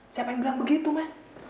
siapa yang bilang begitu mah